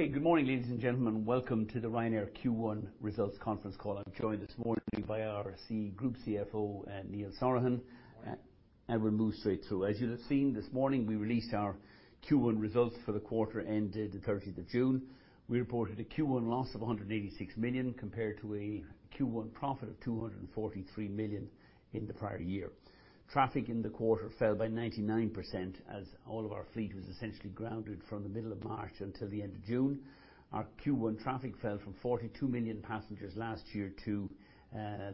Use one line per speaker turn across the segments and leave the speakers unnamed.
Okay. Good morning, ladies and gentlemen. Welcome to the Ryanair Q1 results conference call. I'm joined this morning by our Group CFO, Neil Sorahan. We'll move straight through. As you'll have seen, this morning, we released our Q1 results for the quarter ending the 30th of June. We reported a Q1 loss of 186 million, compared to a Q1 profit of 243 million in the prior year. Traffic in the quarter fell by 99%, as all of our fleet was essentially grounded from the middle of March until the end of June. Our Q1 traffic fell from 42 million passengers last year to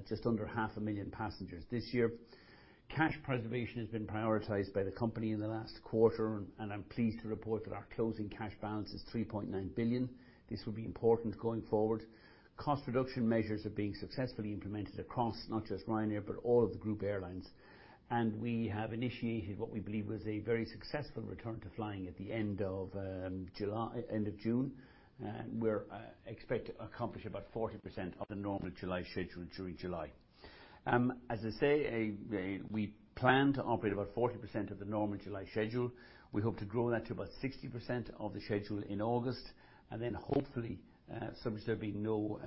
just under half a million passengers this year. Cash preservation has been prioritized by the company in the last quarter. I'm pleased to report that our closing cash balance is 3.9 billion. This will be important going forward. Cost reduction measures are being successfully implemented across not just Ryanair, but all of the group airlines. We have initiated what we believe was a very successful return to flying at the end of June. We expect to accomplish about 40% of the normal July schedule during July. As I say, we plan to operate about 40% of the normal July schedule. We hope to grow that to about 60% of the schedule in August, and then hopefully, subject to there being no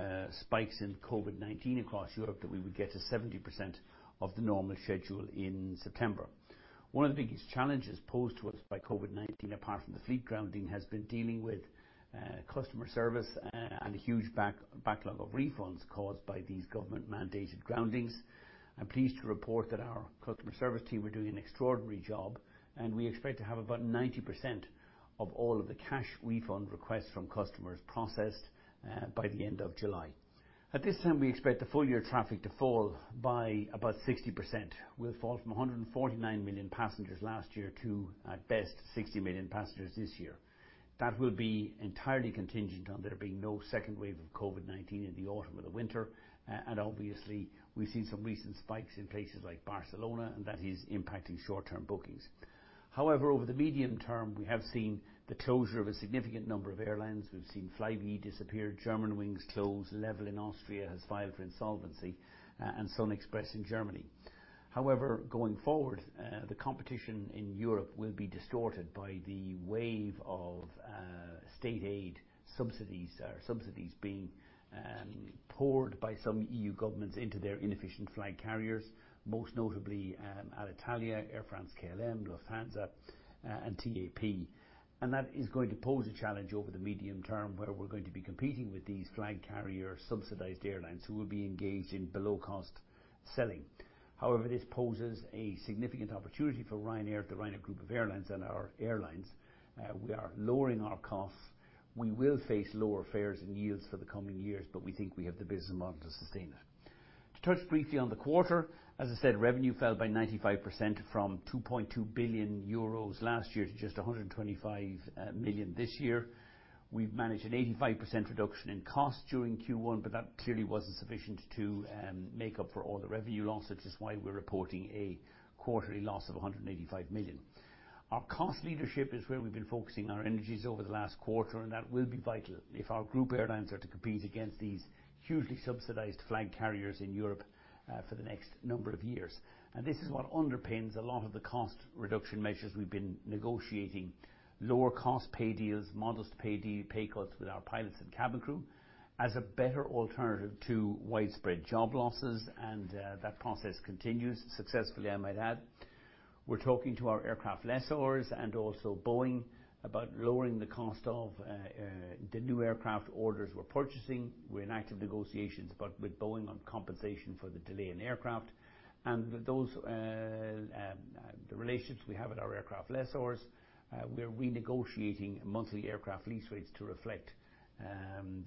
spikes in COVID-19 across Europe, that we would get to 70% of the normal schedule in September. One of the biggest challenges posed to us by COVID-19, apart from the fleet grounding, has been dealing with customer service and a huge backlog of refunds caused by these government-mandated groundings. I'm pleased to report that our customer service team are doing an extraordinary job, and we expect to have about 90% of all of the cash refund requests from customers processed by the end of July. At this time, we expect the full-year traffic to fall by about 60%. We'll fall from 149 million passengers last year to, at best, 60 million passengers this year. That will be entirely contingent on there being no second wave of COVID-19 in the autumn or the winter. Obviously, we've seen some recent spikes in places like Barcelona, and that is impacting short-term bookings. However, over the medium term, we have seen the closure of a significant number of airlines. We've seen Flybe disappear, Germanwings close, LEVEL in Austria has filed for insolvency, and SunExpress in Germany. Going forward, the competition in Europe will be distorted by the wave of state aid subsidies being poured by some EU governments into their inefficient flag carriers, most notably Alitalia, Air France-KLM, Lufthansa, and TAP. That is going to pose a challenge over the medium term, where we're going to be competing with these flag carrier subsidized airlines who will be engaged in below-cost selling. This poses a significant opportunity for Ryanair, the Ryanair Group of Airlines and our airlines. We are lowering our costs. We will face lower fares and yields for the coming years, but we think we have the business model to sustain it. To touch briefly on the quarter, as I said, revenue fell by 95% from 2.2 billion euros last year to just 125 million this year. We've managed an 85% reduction in cost during Q1, that clearly wasn't sufficient to make up for all the revenue loss, which is why we're reporting a quarterly loss of 185 million. Our cost leadership is where we've been focusing our energies over the last quarter, that will be vital if our group airlines are to compete against these hugely subsidized flag carriers in Europe for the next number of years. This is what underpins a lot of the cost reduction measures we've been negotiating. Lower cost pay deals, modest pay cuts with our pilots and cabin crew as a better alternative to widespread job losses, that process continues successfully, I might add. We're talking to our aircraft lessors and also Boeing about lowering the cost of the new aircraft orders we're purchasing. We're in active negotiations with Boeing on compensation for the delay in aircraft. The relationships we have with our aircraft lessors, we're renegotiating monthly aircraft lease rates to reflect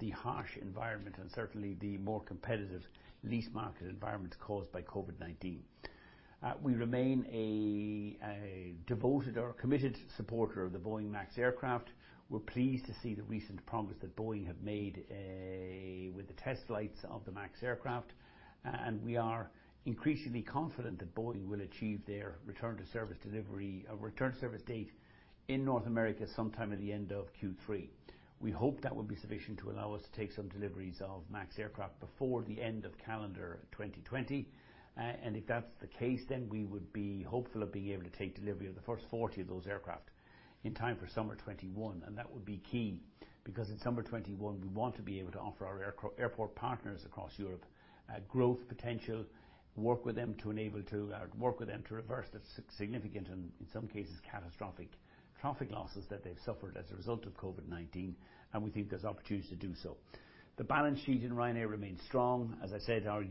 the harsh environment and certainly the more competitive lease market environment caused by COVID-19. We remain a devoted or a committed supporter of the Boeing MAX aircraft. We're pleased to see the recent progress that Boeing have made with the test flights of the MAX aircraft. We are increasingly confident that Boeing will achieve their return to service date in North America sometime at the end of Q3. We hope that will be sufficient to allow us to take some deliveries of MAX aircraft before the end of calendar 2020. If that's the case, we would be hopeful of being able to take delivery of the first 40 of those aircraft in time for summer 2021. That would be key, because in summer 2021, we want to be able to offer our airport partners across Europe growth potential, work with them to reverse the significant, and in some cases, catastrophic traffic losses that they've suffered as a result of COVID-19. We think there's opportunities to do so. The balance sheet in Ryanair remains strong. As I said, our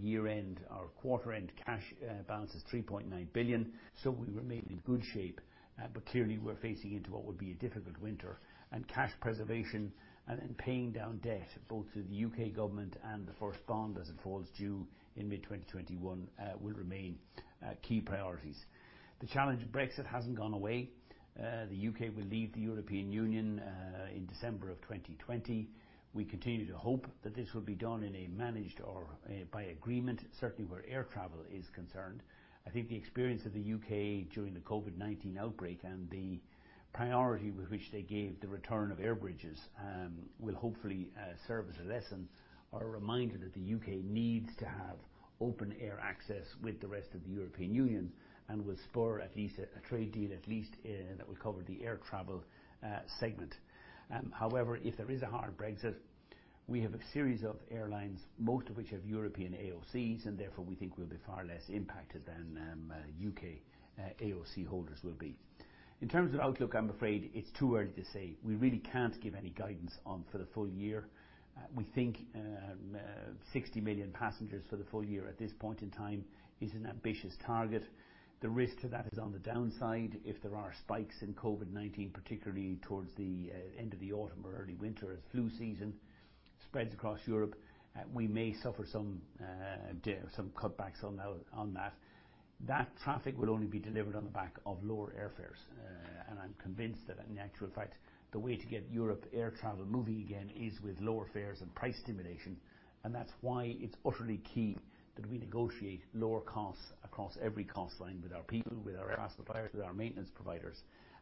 quarter-end cash balance is 3.9 billion. We remain in good shape. Clearly, we're facing into what will be a difficult winter, and cash preservation and paying down debt, both to the U.K. government and the first bond as it falls due in mid-2021, will remain key priorities. The challenge of Brexit hasn't gone away. The U.K. will leave the European Union in December of 2020. We continue to hope that this will be done in a managed or by agreement, certainly where air travel is concerned. I think the experience of the U.K. during the COVID-19 outbreak and the priority with which they gave the return of air bridges will hopefully serve as a lesson or a reminder that the U.K. needs to have open air access with the rest of the European Union and will spur at least a trade deal that will cover the air travel segment. However, if there is a hard Brexit. We have a series of airlines, most of which have European AOCs, and therefore we think we'll be far less impacted than U.K. AOC holders will be. In terms of outlook, I'm afraid it's too early to say. We really can't give any guidance on for the full year. We think 60 million passengers for the full year at this point in time is an ambitious target. The risk to that is on the downside, if there are spikes in COVID-19, particularly towards the end of the autumn or early winter as flu season spreads across Europe, we may suffer some cutbacks on that. That traffic will only be delivered on the back of lower airfares. I'm convinced that in actual fact, the way to get Europe air travel moving again is with lower fares and price stimulation. That's why it's utterly key that we negotiate lower costs across every cost line with our people, with our suppliers, with our maintenance providers,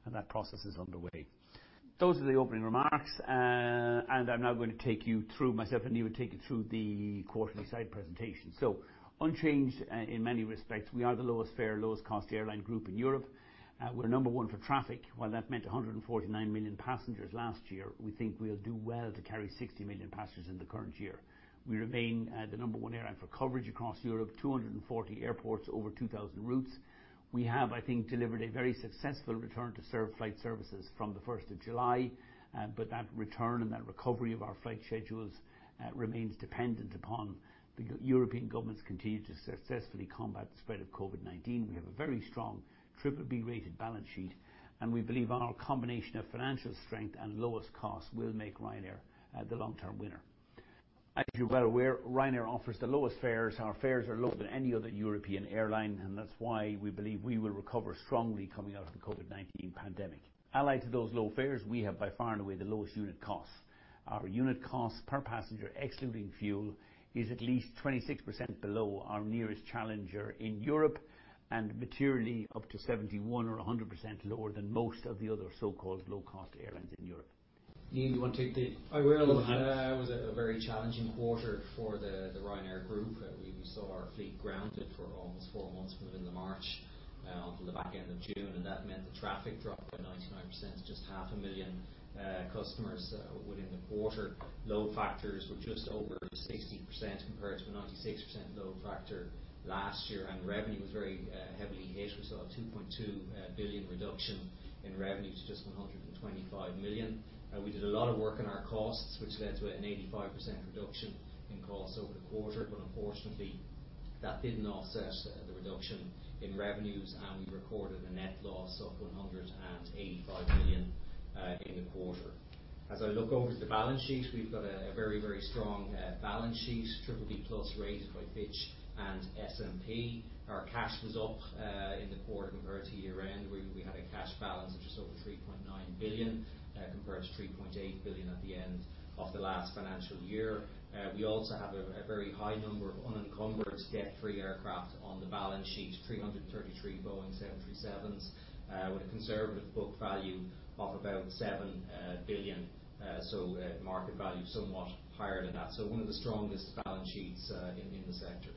and that process is underway. Those are the opening remarks, and I'm now going to take you through, myself and Neil will take you through the quarterly slide presentation. Unchanged in many respects. We are the lowest fare, lowest cost airline Group in Europe. We're number one for traffic. That meant 149 million passengers last year, we think we'll do well to carry 60 million passengers in the current year. We remain the number one airline for coverage across Europe, 240 airports, over 2,000 routes. We have, I think, delivered a very successful return to serve flight services from the 1st of July. That return and that recovery of our flight schedules remains dependent upon the European governments continue to successfully combat the spread of COVID-19. We have a very strong BBB-rated balance sheet, we believe on our combination of financial strength and lowest cost will make Ryanair the long-term winner. As you're well aware, Ryanair offers the lowest fares. Our fares are lower than any other European airline, that's why we believe we will recover strongly coming out of the COVID-19 pandemic. Allied to those low fares, we have by far and away the lowest unit costs. Our unit costs per passenger, excluding fuel, is at least 26% below our nearest challenger in Europe, materially up to 71% or 100% lower than most of the other so-called low-cost airlines in Europe. Neil, do you want to take the
I will. It was a very challenging quarter for the Ryanair Group. We saw our fleet grounded for almost four months from within March until the back end of June. That meant the traffic dropped by 99% to just half a million customers within the quarter. Load factors were just over 60% compared to a 96% load factor last year. Revenue was very heavily hit. We saw a 2.2 billion reduction in revenue to just 125 million. We did a lot of work on our costs, which led to an 85% reduction in costs over the quarter. Unfortunately, that didn't offset the reduction in revenues. We recorded a net loss of 185 million in the quarter. As I look over to the balance sheet, we've got a very strong balance sheet, BBB+ rated by Fitch and S&P. Our cash was up in the quarter compared to year-end, where we had a cash balance of just over 3.9 billion compared to 3.8 billion at the end of the last financial year. We also have a very high number of unencumbered debt-free aircraft on the balance sheet, 333 Boeing 737s, with a conservative book value of about 7 billion. Market value somewhat higher than that. One of the strongest balance sheets in the sector.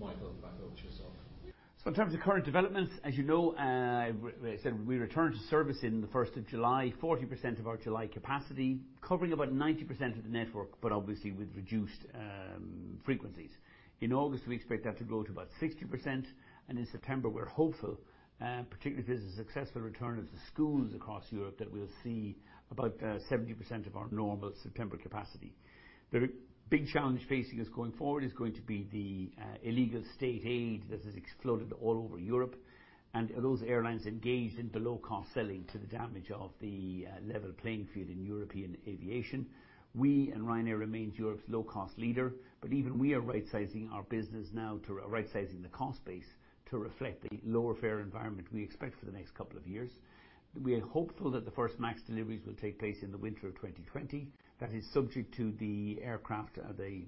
Michael, back over to yourself.
In terms of current developments, as you know, we returned to service in the 1st of July, 40% of our July capacity, covering about 90% of the network, but obviously with reduced frequencies. In August, we expect that to grow to about 60%, and in September we're hopeful, particularly if there's a successful return of the schools across Europe, that we'll see about 70% of our normal September capacity. The big challenge facing us going forward is going to be the illegal state aid that has exploded all over Europe, and those airlines engaged in the low-cost selling to the damage of the level playing field in European aviation. We and Ryanair remains Europe's low-cost leader, but even we are rightsizing our business now to rightsizing the cost base to reflect the lower fare environment we expect for the next couple of years. We are hopeful that the first MAX deliveries will take place in the winter of 2020. That is subject to the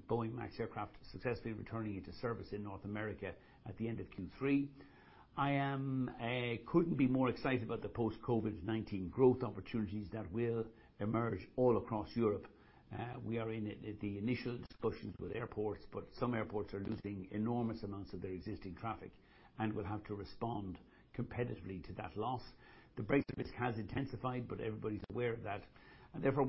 Boeing MAX aircraft successfully returning into service in North America at the end of Q3. I couldn't be more excited about the post-COVID-19 growth opportunities that will emerge all across Europe. We are in the initial discussions with airports. Some airports are losing enormous amounts of their existing traffic and will have to respond competitively to that loss. The Brexit risk has intensified. Everybody's aware of that. Therefore,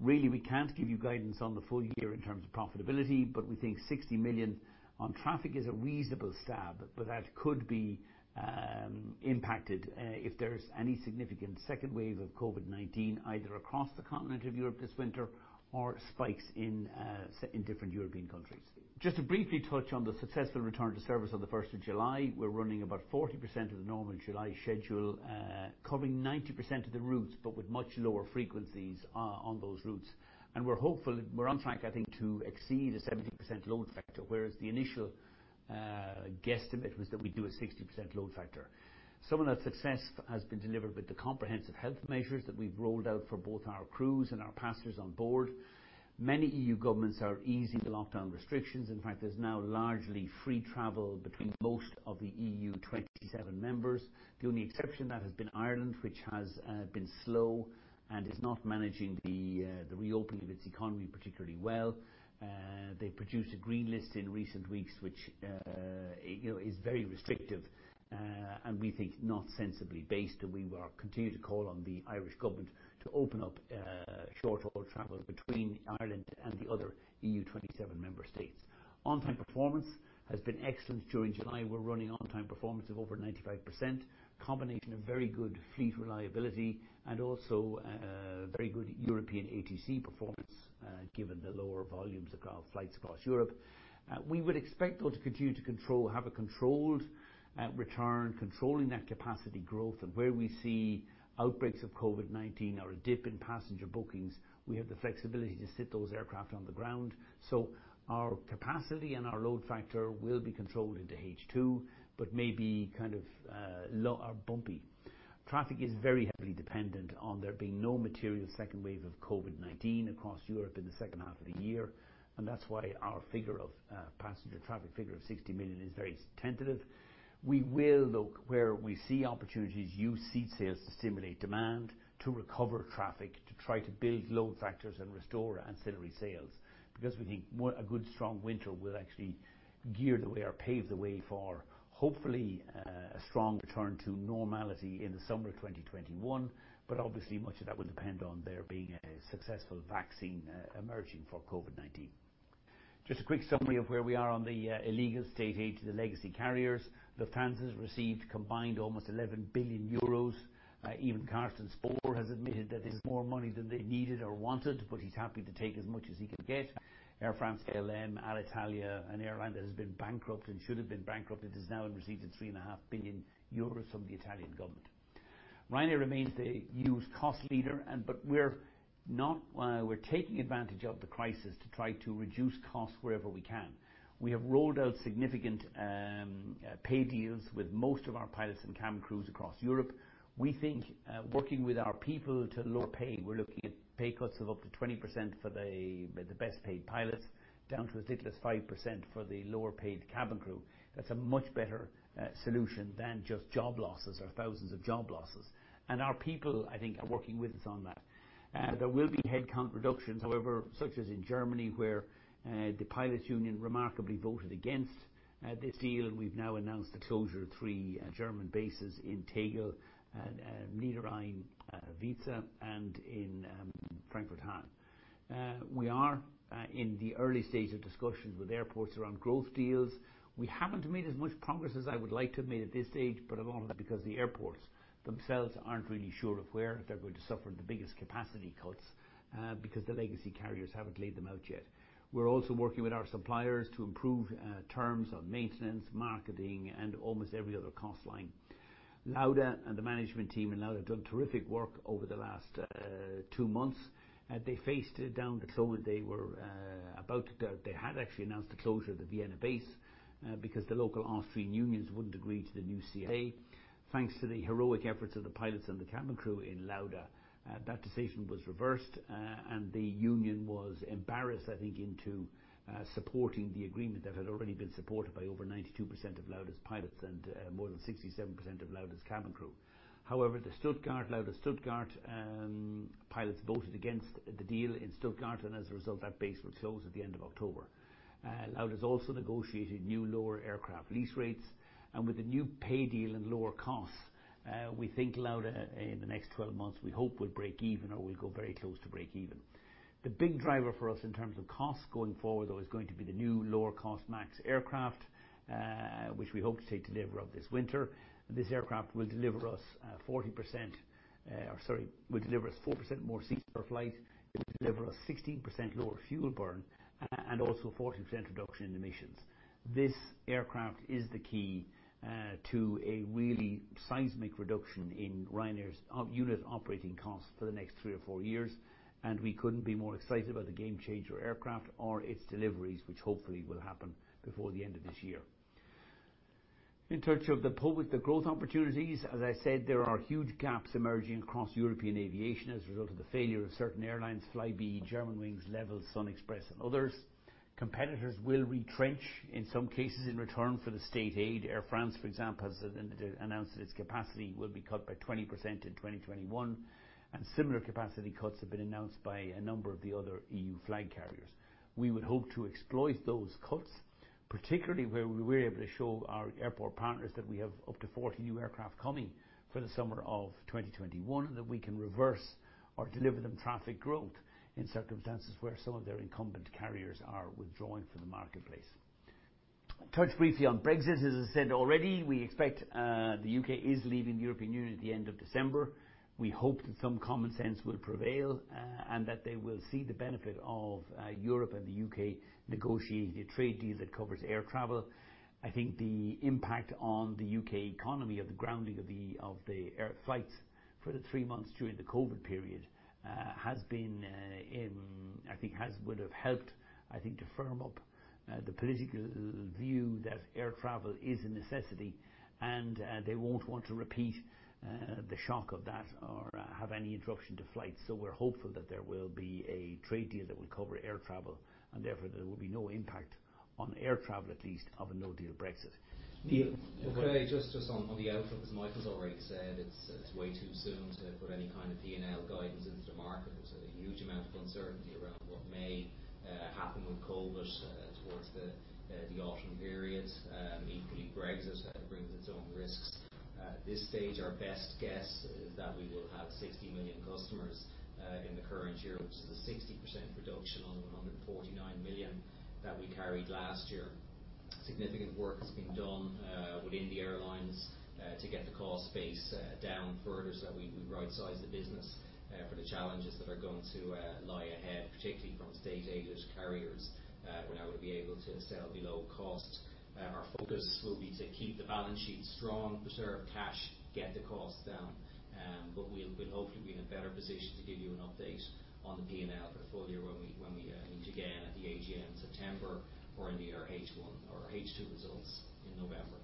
Really, we can't give you guidance on the full year in terms of profitability, we think 60 million on traffic is a reasonable stab, that could be impacted if there's any significant second wave of COVID-19 either across the continent of Europe this winter or spikes in different European countries. Just to briefly touch on the successful return to service on the 1st of July, we're running about 40% of the normal July schedule, covering 90% of the routes, with much lower frequencies on those routes. We're hopeful, we're on track, I think, to exceed a 70% load factor, whereas the initial guesstimate was that we'd do a 60% load factor. Some of that success has been delivered with the comprehensive health measures that we've rolled out for both our crews and our passengers on board. Many EU governments are easing the lockdown restrictions. In fact, there's now largely free travel between most of the EU 27 members. The only exception to that has been Ireland, which has been slow and is not managing the reopening of its economy particularly well. They produced a green list in recent weeks which is very restrictive, and we think not sensibly based, and we will continue to call on the Irish government to open up short-haul travel between Ireland and the other EU 27 member states. On-time performance has been excellent during July. We're running on-time performance of over 95%, combination of very good fleet reliability and also very good European ATC performance, given the lower volumes of flights across Europe. We would expect though to continue to have a controlled return, controlling that capacity growth and where we see outbreaks of COVID-19 or a dip in passenger bookings, we have the flexibility to sit those aircraft on the ground. Our capacity and our load factor will be controlled into H2 but may be kind of bumpy. Traffic is very heavily dependent on there being no material second wave of COVID-19 across Europe in the second half of the year, and that's why our passenger traffic figure of 60 million is very tentative. We will look where we see opportunities, use seat sales to stimulate demand, to recover traffic, to try to build load factors and restore ancillary sales, because we think a good strong winter will actually gear the way or pave the way for hopefully a strong return to normality in the summer of 2021, but obviously much of that will depend on there being a successful vaccine emerging for COVID-19. Just a quick summary of where we are on the illegal state aid to the legacy carriers. Lufthansa has received combined almost 11 billion euros. Even Carsten Spohr has admitted that this is more money than they needed or wanted, but he's happy to take as much as he can get. Air France-KLM, Alitalia, an airline that has been bankrupt and should have been bankrupt, it has now received three and a half billion EUR from the Italian government. Ryanair remains the EU's cost leader, but we're taking advantage of the crisis to try to reduce costs wherever we can. We have rolled out significant pay deals with most of our pilots and cabin crews across Europe. We think working with our people to lower pay, we're looking at pay cuts of up to 20% for the best paid pilots, down to a ridiculous 5% for the lower paid cabin crew. That's a much better solution than just job losses or thousands of job losses. Our people, I think, are working with us on that. There will be headcount reductions, however, such as in Germany, where the pilots union remarkably voted against this deal, and we've now announced the closure of three German bases in Tegel, Niederrhein, Weeze, and in Frankfurt-Hahn. We are in the early stage of discussions with airports around growth deals. We haven't made as much progress as I would like to have made at this stage, but a lot of that because the airports themselves aren't really sure of where they're going to suffer the biggest capacity cuts, because the legacy carriers haven't laid them out yet. We're also working with our suppliers to improve terms of maintenance, marketing, and almost every other cost line. Lauda and the management team in Lauda have done terrific work over the last two months. They faced a downturn. They had actually announced the closure of the Vienna base because the local Austrian unions wouldn't agree to the new CBA. Thanks to the heroic efforts of the pilots and the cabin crew in Lauda, that decision was reversed, and the union was embarrassed, I think, into supporting the agreement that had already been supported by over 92% of Lauda's pilots and more than 67% of Lauda's cabin crew. However, the Lauda Stuttgart pilots voted against the deal in Stuttgart, and as a result, that base will close at the end of October. Lauda has also negotiated new lower aircraft lease rates, and with the new pay deal and lower costs, we think Lauda in the next 12 months, we hope will break even or will go very close to break even. The big driver for us in terms of costs going forward, is going to be the new lower cost MAX aircraft, which we hope to take delivery of this winter. This aircraft will deliver us 4% more seats per flight. It will deliver us 16% lower fuel burn and also a 14% reduction in emissions. This aircraft is the key to a really seismic reduction in Ryanair's unit operating costs for the next three or four years, and we couldn't be more excited about the Gamechanger aircraft or its deliveries, which hopefully will happen before the end of this year. In touch of the public, the growth opportunities, as I said, there are huge gaps emerging across European aviation as a result of the failure of certain airlines, Flybe, Germanwings, LEVEL, SunExpress, and others. Competitors will retrench in some cases in return for the state aid. Air France, for example, has announced that its capacity will be cut by 20% in 2021. Similar capacity cuts have been announced by a number of the other EU flag carriers. We would hope to exploit those cuts, particularly where we were able to show our airport partners that we have up to 40 new aircraft coming for the summer of 2021, that we can reverse or deliver them traffic growth in circumstances where some of their incumbent carriers are withdrawing from the marketplace. Touch briefly on Brexit. As I said already, we expect the U.K. is leaving the European Union at the end of December. We hope that some common sense will prevail and that they will see the benefit of Europe and the U.K. negotiating a trade deal that covers air travel. I think the impact on the U.K. economy of the grounding of the air flights for the three months during the COVID period would have helped, I think, to firm up the political view that air travel is a necessity, and they won't want to repeat the shock of that or have any interruption to flights. We're hopeful that there will be a trade deal that will cover air travel, and therefore, there will be no impact on air travel, at least of a no-deal Brexit. Neil.
Just on the output, as Michael's already said, it's way too soon to put any kind of P&L guidance into the market. There's a huge amount of uncertainty around what may happen with COVID towards the autumn period. Equally, Brexit brings its own risks. At this stage, our best guess is that we will have 60 million customers in the current year, which is a 60% reduction on 149 million that we carried last year. Significant work has been done within the airlines to get the cost base down further so we right-size the business for the challenges that are going to lie ahead, particularly from state-aided carriers who are now going to be able to sell below cost. Our focus will be to keep the balance sheet strong, preserve cash, get the cost down. We'll hopefully be in a better position to give you an update on the P&L portfolio when we meet again at the AGM in September or in the year H2 results in November.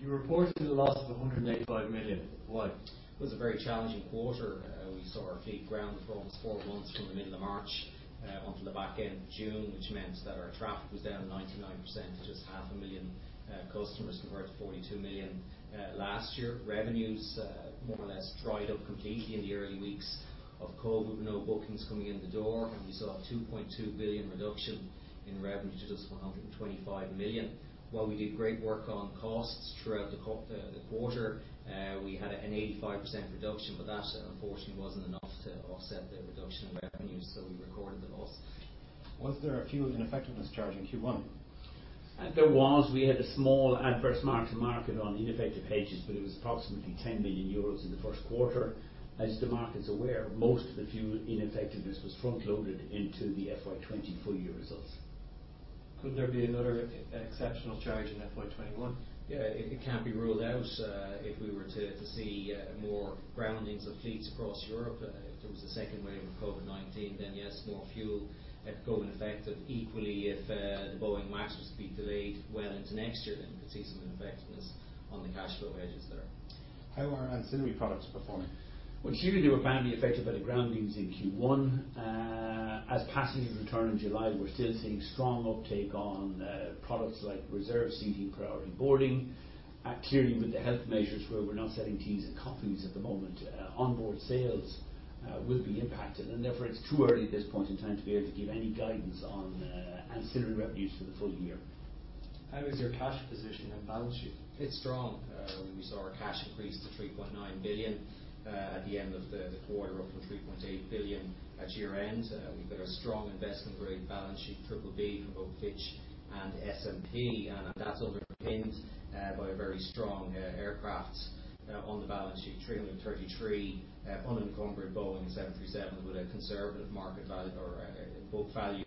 You reported a loss of 185 million. Why? It was a very challenging quarter. We saw our fleet grounded for almost four months from the middle of March until the back end of June, which meant that our traffic was down 99%, just half a million customers compared to 42 million last year. Revenues more or less dried up completely in the early weeks of COVID with no bookings coming in the door, we saw a 2.2 billion reduction in revenue to just 125 million. While we did great work on costs throughout the quarter, we had an 85% reduction, but that unfortunately wasn't enough to offset the reduction in revenues, so we recorded the loss. Was there a fuel ineffectiveness charge in Q1?
We had a small adverse mark-to-market on the ineffective hedges, but it was approximately 10 million euros in the first quarter. As the market's aware, most of the fuel ineffectiveness was front-loaded into the FY 2020 full year results.
Could there be another exceptional charge in FY 2021? Yeah, it can't be ruled out. If we were to see more groundings of fleets across Europe, if there was a second wave of COVID-19, yes, more fuel could go ineffective. Equally, if the Boeing MAX was to be delayed well into next year, we could see some ineffectiveness on the cash flow hedges there. How are ancillary products performing?
Well, clearly they were badly affected by the groundings in Q1. As passengers return in July, we're still seeing strong uptake on products like reserve seating, priority boarding. Clearly with the health measures where we're not selling teas and coffees at the moment, onboard sales will be impacted, and therefore, it's too early at this point in time to be able to give any guidance on ancillary revenues for the full year.
How is your cash position and balance sheet? It's strong. We saw our cash increase to 3.9 billion at the end of the quarter up from 3.8 billion at year-end. We've got a strong investment-grade balance sheet, BBB from both Fitch and S&P, and that's underpinned by very strong aircraft on the balance sheet, 333 unencumbered Boeing 737 with a conservative market value or a book value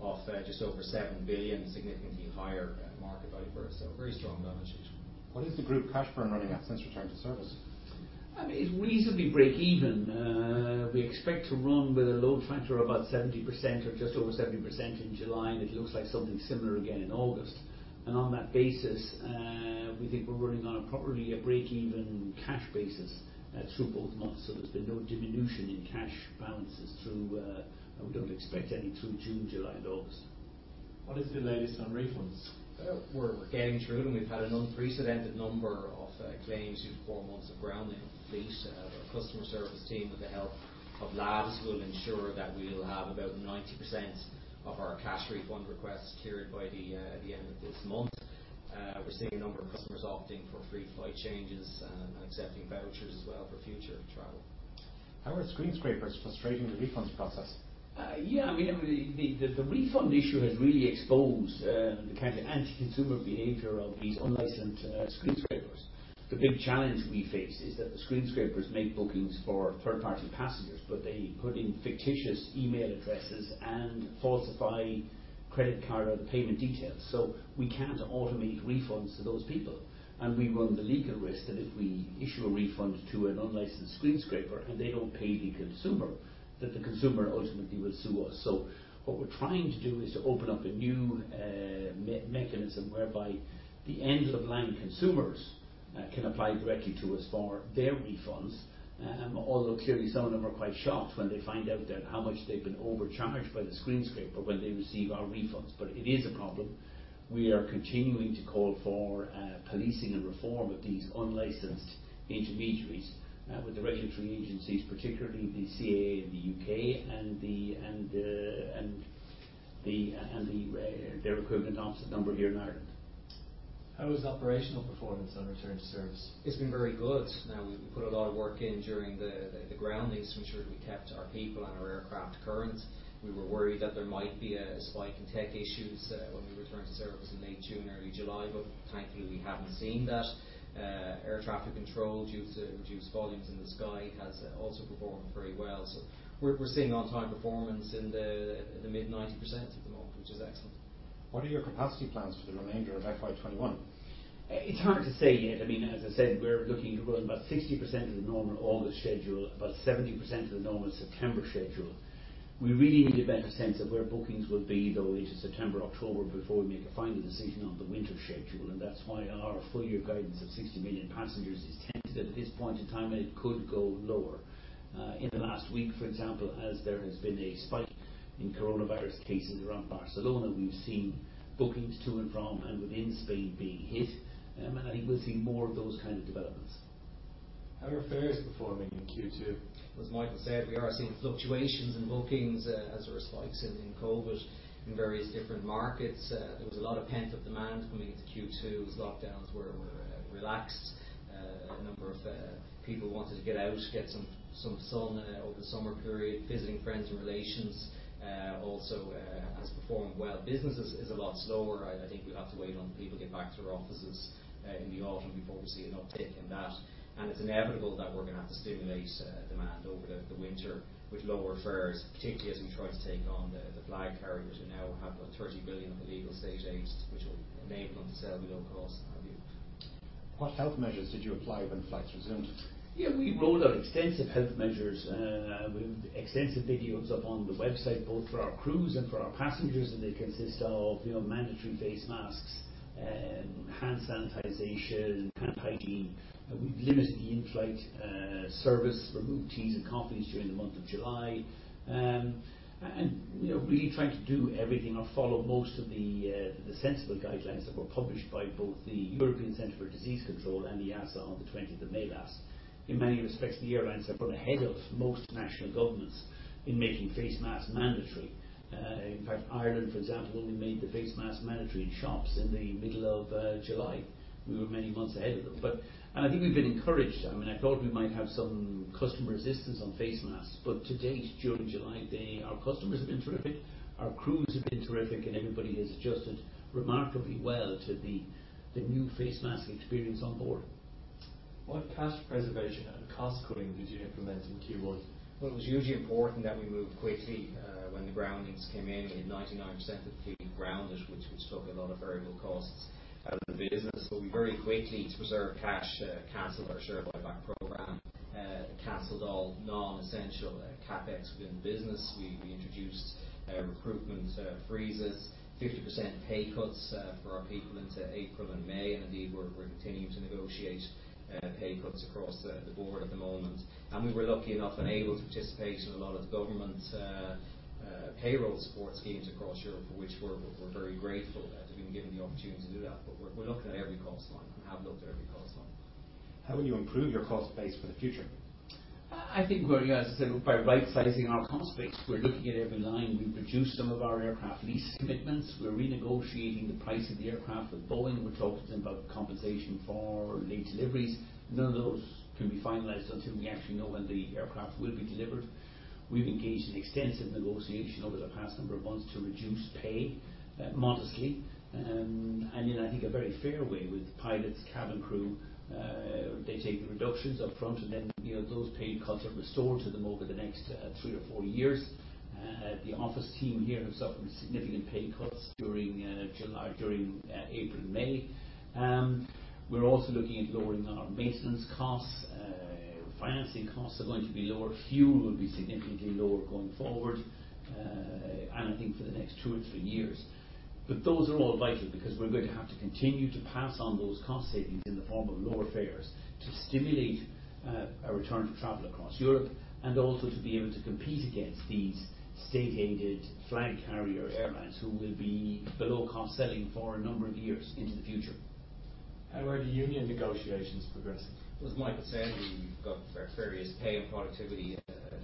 of just over 7 billion, significantly higher market value for us. Very strong balance sheet. What is the group cash burn running at since return to service?
It's reasonably break even. We expect to run with a load factor of about 70% or just over 70% in July, and it looks like something similar again in August. On that basis, we think we're running on a properly a break-even cash basis through both months. There's been no diminution in cash balances through, and we don't expect any through June, July, and August.
What is the latest on refunds? We're getting through them. We've had an unprecedented number of claims due to 4 months of grounding of the fleet. Our customer service team, with the help of Lauda, will ensure that we'll have about 90% of our cash refund requests cleared by the end of this month. We're seeing a number of customers opting for free flight changes and accepting vouchers as well for future travel. How are screen scrapers frustrating the refunds process?
Yeah. The refund issue has really exposed the kind of anti-consumer behavior of these unlicensed screen scrapers. The big challenge we face is that the screen scrapers make bookings for third-party passengers, but they put in fictitious email addresses and falsify credit card or the payment details. We can't automate refunds to those people. We run the legal risk that if we issue a refund to an unlicensed screen scraper and they don't pay the consumer, that the consumer ultimately will sue us. What we're trying to do is to open up a new mechanism whereby the end-of-the-line consumers can apply directly to us for their refunds. Although clearly some of them are quite shocked when they find out that how much they've been overcharged by the screen scraper when they receive our refunds. It is a problem. We are continuing to call for policing and reform of these unlicensed intermediaries with the regulatory agencies, particularly the CAA in the U.K. and their equivalent opposite number here in Ireland.
How is operational performance on return to service? It's been very good. We put a lot of work in during the groundings to ensure that we kept our people and our aircraft current. We were worried that there might be a spike in tech issues when we returned to service in late June, early July. Thankfully, we haven't seen that. Air traffic control due to reduced volumes in the sky has also performed very well. We're seeing on-time performance in the mid 90% at the moment, which is excellent. What are your capacity plans for the remainder of FY 2021?
It's hard to say yet. As I said, we're looking to run about 60% of the normal August schedule, about 70% of the normal September schedule. We really need a better sense of where bookings will be, though, into September, October before we make a final decision on the winter schedule. That's why our full year guidance of 60 million passengers is tentative at this point in time, and it could go lower. In the last week, for example, as there has been a spike in coronavirus cases around Barcelona, we've seen bookings to and from and within Spain being hit. I think we'll see more of those kind of developments.
How are fares performing in Q2? As Michael said, we are seeing fluctuations in bookings as there are spikes in COVID in various different markets. There was a lot of pent-up demand coming into Q2 as lockdowns were relaxed. A number of people wanted to get out, get some sun over the summer period, visiting friends and relations also has performed well. Business is a lot slower. I think we'll have to wait on people get back to their offices in the autumn before we see an uptick in that. It's inevitable that we're going to have to stimulate demand over the winter with lower fares, particularly as we try to take on the flag carriers who now have about 30 billion of illegal state aid, which will enable them to sell below cost. What health measures did you apply when flights resumed?
Yeah, we rolled out extensive health measures with extensive videos up on the website both for our crews and for our passengers, and they consist of mandatory face masks, hand sanitization, hand hygiene. We've limited the in-flight service, removed teas and coffees during the month of July. We're really trying to do everything or follow most of the sensible guidelines that were published by both the European Centre for Disease Control and the EASA on the 20th of May last. In many respects, the airlines have got ahead of most national governments in making face masks mandatory. In fact, Ireland, for example, only made the face mask mandatory in shops in the middle of July. We were many months ahead of them. I think we've been encouraged. I thought we might have some customer resistance on face masks. To-date, during July, our customers have been terrific. Our crews have been terrific, and everybody has adjusted remarkably well to the new face mask experience on board.
What cash preservation and cost-cutting did you implement in Q1? Well, it was hugely important that we moved quickly when the groundings came in. We had 99% of the fleet grounded, which took a lot of variable costs out of the business. We very quickly, to preserve cash, canceled our share buyback program, canceled all non-essential CapEx within the business. We introduced recruitment freezes, 50% pay cuts for our people into April and May, indeed, we're continuing to negotiate pay cuts across the board at the moment. We were lucky enough and able to participate in a lot of government payroll support schemes across Europe, for which we're very grateful to have been given the opportunity to do that. We're looking at every cost line and have looked at every cost line. How will you improve your cost base for the future?
I think we're, as I said, by right-sizing our cost base. We're looking at every line. We've reduced some of our aircraft lease commitments. We're renegotiating the price of the aircraft with Boeing. We're talking to them about compensation for late deliveries. None of those can be finalized until we actually know when the aircraft will be delivered. We've engaged in extensive negotiation over the past number of months to reduce pay modestly in I think a very fair way with pilots, cabin crew. They take the reductions up front and then those pay cuts are restored to them over the next three or four years. The office team here have suffered significant pay cuts during April and May. We're also looking at lowering our maintenance costs. Financing costs are going to be lower fuel will be significantly lower going forward and I think for the next two or three years. Those are all vital because we're going to have to continue to pass on those cost savings in the form of lower fares to stimulate a return to travel across Europe and also to be able to compete against these state-aided flag carrier airlines who will be below cost selling for a number of years into the future.
How are the union negotiations progressing? As Michael said, we've got various pay and productivity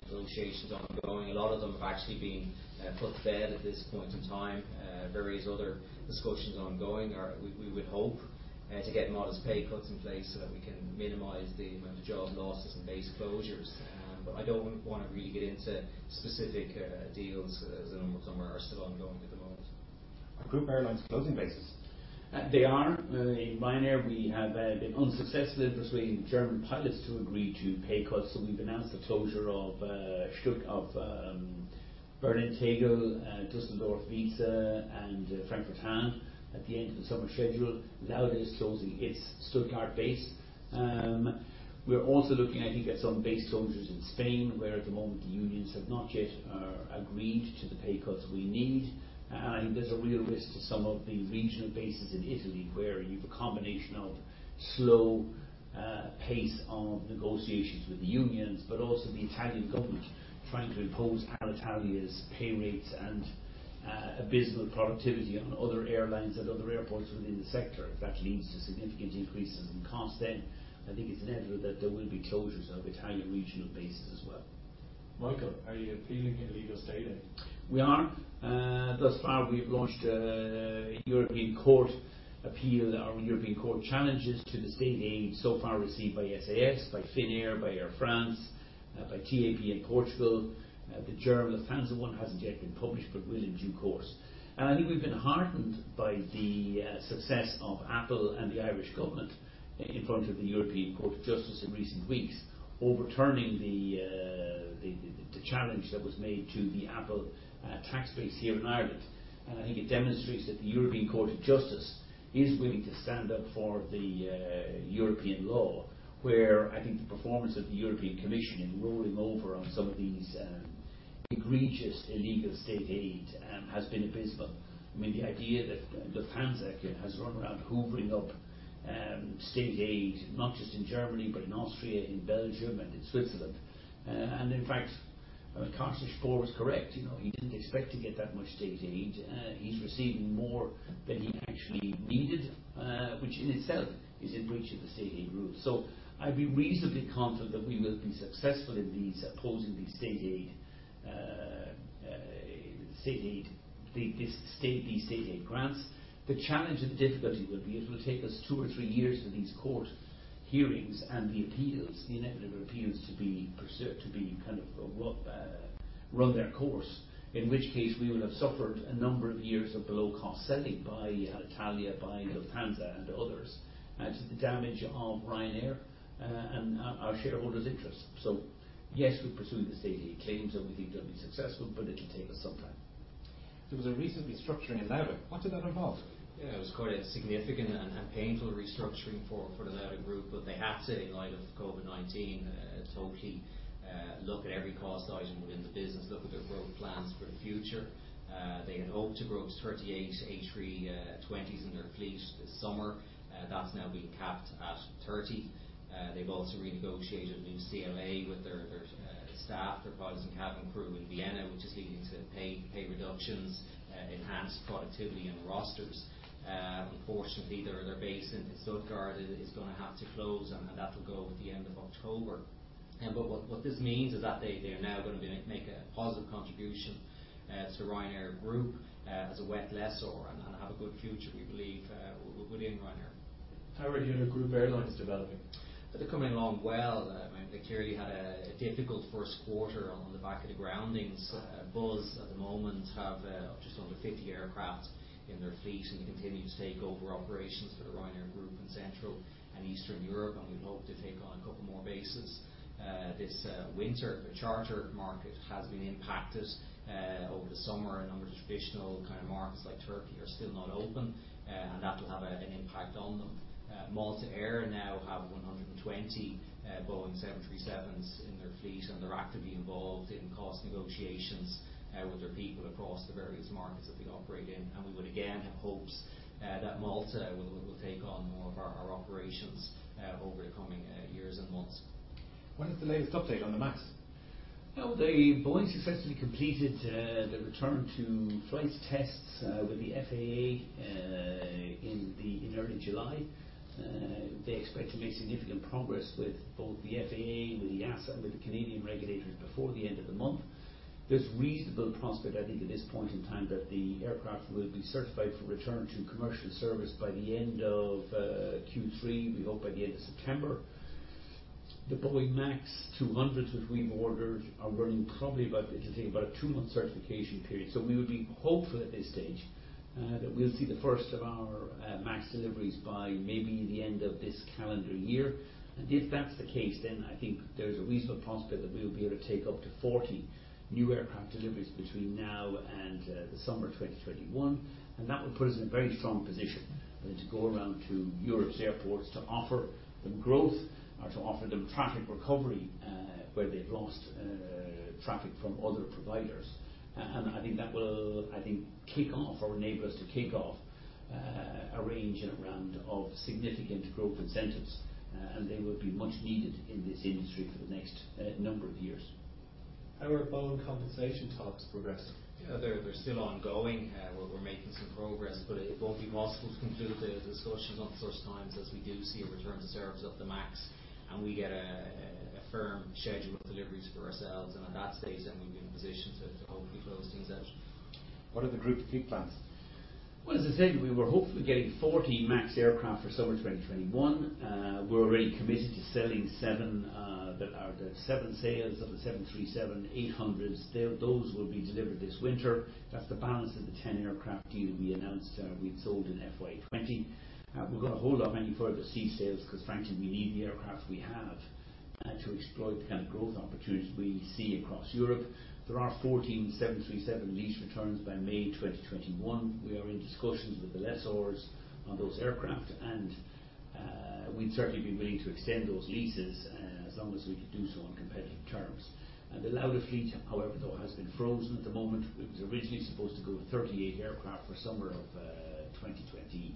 negotiations ongoing. A lot of them have actually been put to bed at this point in time. Various other discussions ongoing, or we would hope to get modest pay cuts in place so that we can minimize the amount of job losses and base closures. I don't want to really get into specific deals, as a number of them are still ongoing at the moment. Are group airlines closing bases?
They are. Ryanair, we have been unsuccessful in persuading German pilots to agree to pay cuts. We've announced the closure of Berlin Tegel, Düsseldorf Weeze, and Frankfurt Hahn at the end of the summer schedule. Lauda closing its Stuttgart base. We're also looking, I think, at some base closures in Spain, where at the moment the unions have not yet agreed to the pay cuts we need. I think there's a real risk to some of the regional bases in Italy, where you've a combination of slow pace of negotiations with the unions, but also the Italian government trying to impose Alitalia's pay rates and abysmal productivity on other airlines at other airports within the sector. If that leads to significant increases in cost, I think it's inevitable that there will be closures of Italian regional bases as well.
Michael, are you appealing illegal state aid?
We are. Thus far, we've launched a European court appeal or European court challenges to the state aid so far received by SAS, by Finnair, by Air France, by TAP in Portugal. The Lufthansa one hasn't yet been published, but will in due course. I think we've been heartened by the success of Apple and the Irish government in front of the European Court of Justice in recent weeks, overturning the challenge that was made to the Apple tax base here in Ireland. I think it demonstrates that the European Court of Justice is willing to stand up for the European law, where I think the performance of the European Commission in rolling over on some of these egregious illegal state aid has been abysmal. The idea that Lufthansa has run around hoovering up state aid, not just in Germany, but in Austria, in Belgium, and in Switzerland. In fact, Carsten Spohr was correct. He didn't expect to get that much state aid. He's receiving more than he actually needed, which in itself is in breach of the state aid rules. I'd be reasonably confident that we will be successful in opposing these state aid grants. The challenge and difficulty will be it will take us two or three years for these court hearings and the appeals, the inevitable appeals to run their course, in which case we will have suffered a number of years of below-cost selling by Alitalia, by Lufthansa, and others to the damage of Ryanair and our shareholders' interest. Yes, we pursue the state aid claims, and we think it'll be successful, but it'll take us some time.
There was a recent restructuring in Laudamotion. What did that involve? It was quite a significant and painful restructuring for the Lauda Group. They had to, in light of COVID-19, totally look at every cost item within the business, look at their growth plans for the future. They had hoped to grow to 38 A320s in their fleet this summer. That's now been capped at 30. They've also renegotiated a new CBA with their staff, their pilots and cabin crew in Vienna, which is leading to pay reductions, enhanced productivity and rosters. Unfortunately, their base in Stuttgart is going to have to close, and that will go at the end of October. What this means is that they are now going to make a positive contribution to Ryanair Group as a wet lessor and have a good future, we believe, within Ryanair. How are the other group airlines developing? They're coming along well. They clearly had a difficult first quarter on the back of the groundings. Buzz at the moment have just under 50 aircraft in their fleet. They continue to take over operations for the Ryanair Group in Central and Eastern Europe. We'd hope to take on a couple more bases. This winter, the charter market has been impacted. Over the summer, a number of traditional markets like Turkey are still not open. That will have an impact on them. Malta Air now have 120 Boeing 737s in their fleet. They're actively involved in cost negotiations with their people across the various markets that they operate in. We would again have hopes that Malta will take on more of our operations over the coming years and months. When is the latest update on the MAX?
Well, Boeing successfully completed the return to flight tests with the FAA in early July. They expect to make significant progress with both the FAA, with the EASA, and with the Canadian regulators before the end of the month. There's reasonable prospect, I think, at this point in time that the aircraft will be certified for return to commercial service by the end of Q3. We hope by the end of September. The Boeing MAX 200s, which we've ordered, are running probably about, they're saying about a two-month certification period. We would be hopeful at this stage that we'll see the first of our MAX deliveries by maybe the end of this calendar year. If that's the case, then I think there's a reasonable prospect that we'll be able to take up to 40 new aircraft deliveries between now and the summer of 2021. That will put us in a very strong position then to go around to Europe's airports to offer them growth or to offer them traffic recovery where they've lost traffic from other providers. I think that will enable us to kick off a range and a round of significant growth incentives, and they will be much needed in this industry for the next number of years.
How are Boeing compensation talks progressing? They're still ongoing. We're making some progress, but it won't be possible to conclude the discussions until such times as we do see a return to service of the MAX and we get a firm schedule of deliveries for ourselves. At that stage, we'll be in a position to hopefully close things out. What are the group's fleet plans?
Well, as I said, we were hopefully getting 40 MAX aircraft for summer 2021. We're already committed to selling seven. There are the seven sales of the 737-800s. Those will be delivered this winter. That's the balance of the 10 aircraft deal we announced we'd sold in FY 2020. We're going to hold off any further aircraft sales because frankly, we need the aircraft we have to exploit the kind of growth opportunities we see across Europe. There are 14 737 lease returns by May 2021. We are in discussions with the lessors on those aircraft, we'd certainly be willing to extend those leases as long as we could do so on competitive terms. The Lauda fleet, however, though, has been frozen at the moment. It was originally supposed to grow to 38 aircraft for summer of 2020.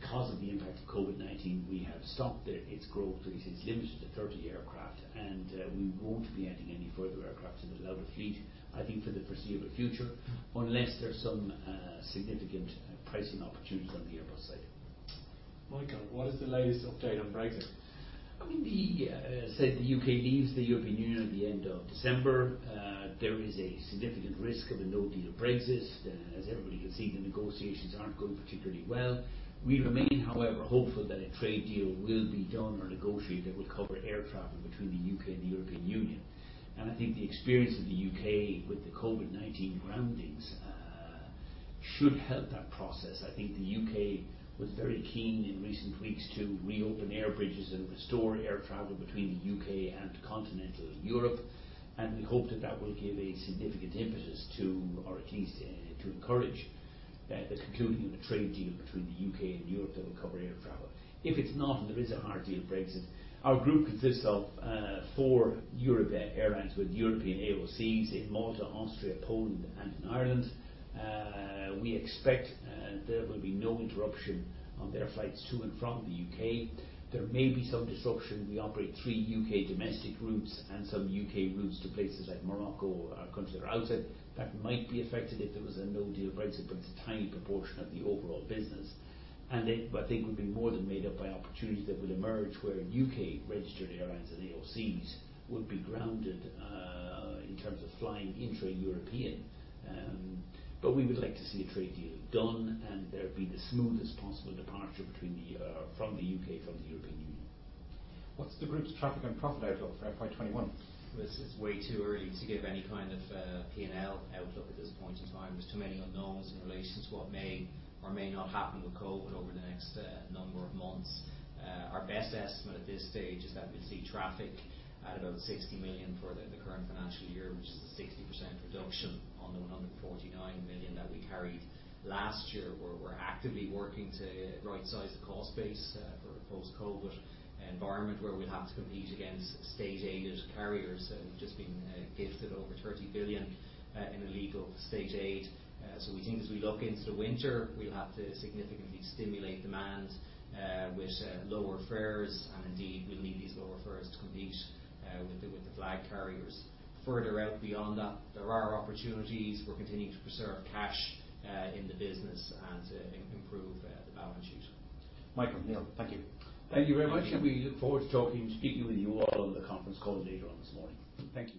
Because of the impact of COVID-19, we have stopped its growth, so it's limited to 30 aircraft, and we won't be adding any further aircraft to the Lauda fleet, I think, for the foreseeable future, unless there's some significant pricing opportunities on the Airbus side.
Michael, what is the latest update on Brexit?
As said the U.K. leaves the European Union at the end of December. There is a significant risk of a no-deal Brexit. As everybody can see, the negotiations aren't going particularly well. We remain, however, hopeful that a trade deal will be done or negotiated that will cover air travel between the U.K. and the European Union. I think the experience of the U.K. with the COVID-19 groundings should help that process. I think the U.K. was very keen in recent weeks to reopen air bridges and restore air travel between the U.K. and continental Europe, and we hope that that will give a significant impetus to, or at least to encourage the concluding of a trade deal between the U.K. and Europe that will cover air travel. If it's not, there is a hard-deal Brexit, our group consists of four Europe airlines with European AOC in Malta, Austria, Poland and in Ireland. We expect there will be no interruption on their flights to and from the U.K. There may be some disruption. We operate three U.K. domestic routes and some U.K. routes to places like Morocco or countries that are outside that might be affected if there was a no-deal Brexit, but it's a tiny proportion of the overall business. I think would be more than made up by opportunities that will emerge where U.K. registered airlines and AOCs would be grounded in terms of flying intra-European. We would like to see a trade deal done, and there be the smoothest possible departure from the U.K. from the European Union.
What's the group's traffic and profit outlook for FY 2021? Well, it's way too early to give any kind of P&L outlook at this point in time. There's too many unknowns in relation to what may or may not happen with COVID-19 over the next number of months. Our best estimate at this stage is that we'll see traffic at about 60 million for the current financial year, which is a 60% reduction on the 149 million that we carried last year, where we're actively working to right-size the cost base for a post-COVID-19 environment where we'll have to compete against state-aided carriers that have just been gifted over 30 billion in illegal state aid. We think as we look into the winter, we'll have to significantly stimulate demand with lower fares, and indeed, we'll need these lower fares to compete with the flag carriers. Further out beyond that, there are opportunities. We're continuing to preserve cash in the business and to improve the balance sheet. Michael, Neil, thank you.
Thank you very much. We look forward to speaking with you all on the conference call later on this morning. Thank you